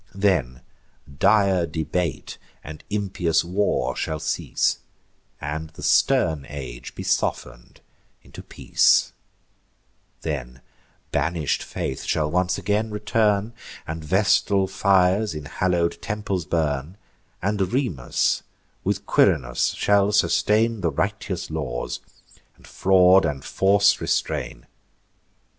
Then dire debate and impious war shall cease, And the stern age be soften'd into peace: Then banish'd Faith shall once again return, And Vestal fires in hallow'd temples burn; And Remus with Quirinus shall sustain The righteous laws, and fraud and force restrain.